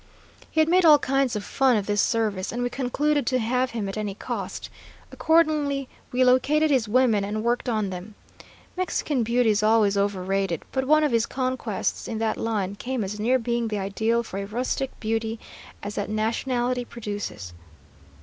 "He had made all kinds of fun of this service, and we concluded to have him at any cost. Accordingly we located his women and worked on them. Mexican beauty is always over rated, but one of his conquests in that line came as near being the ideal for a rustic beauty as that nationality produces.